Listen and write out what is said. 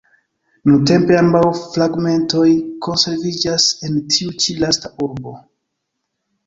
Nuntempe ambaŭ fragmentoj konserviĝas en tiu ĉi lasta urbo.